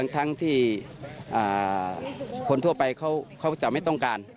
ทั้งที่คนทั่วไปเขาจะไม่ต้องการ